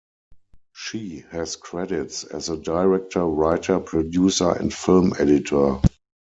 She has credits as a director, writer, producer and film editor.